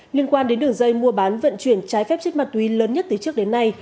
liên quan đến đường dây mua bán vận chuyển trái phép chất ma túy lớn nhất từ trước đến nay